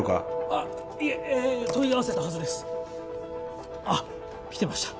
あっいえええ問い合わせたはずですあっ来てました